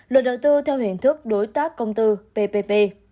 luật đầu tư theo hình thức đối tác công tư ppp